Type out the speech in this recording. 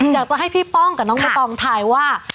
อยากจะให้พี่ป้องกับน้องใบตองถ่ายว่า